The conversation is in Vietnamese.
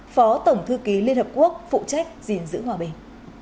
phó tổng thư ký liên hợp quốc phụ trách gìn giữ hòa bình